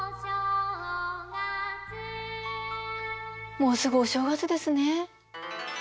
もうすぐお正月ですね。